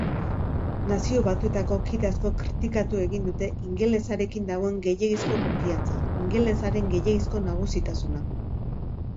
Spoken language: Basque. Nazio Batuetako kide askok kritikatu egin dute ingelesarekin dagoen gehiegizko konfiantza, ingelesaren gehiegizko nagusitasuna.